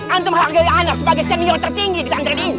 antum harganya anda sebagai senior tertinggi di pesantren ini